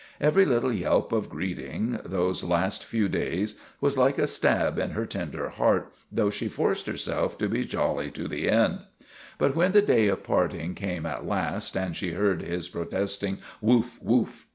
Every little yelp of greeting, those last few days, was like a stab in her tender heart, though she forced herself to be jolly to the end. But when the day of parting came at last, and she heard his protesting "Woof! Woof!'